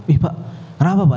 ih pak kenapa pak